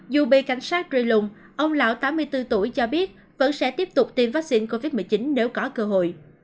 dù bị cảnh sát ri lùng ông lão tám mươi bốn tuổi cho biết vẫn sẽ tiếp tục tiêm vaccine covid một mươi chín nếu có cơ hội